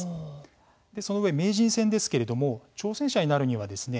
その上、名人戦ですけれども挑戦者になるにはですね